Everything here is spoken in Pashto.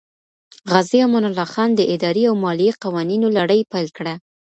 غازي امان الله خان د اداري او مالیې قوانینو لړۍ پیل کړه.